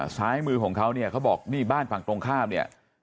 ซ้ายมือของเขาเนี่ยเขาบอกนี่บ้านฝั่งตรงข้ามเนี่ย